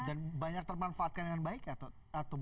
dan banyak termanfaatkan dengan baik atau